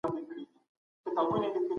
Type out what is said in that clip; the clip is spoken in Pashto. ايا سرمايه د پرمختګ يوازنۍ لار ده؟